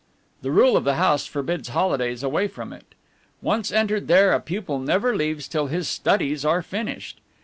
The rule of the House forbids holidays away from it. Once entered there, a pupil never leaves till his studies are finished.